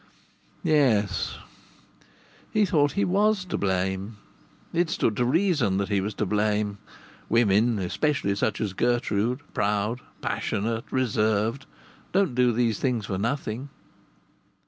Yes, he thought he was to blame. It stood to reason that he was to blame. Women, especially such as Gertrude, proud, passionate, reserved, don't do these things for nothing.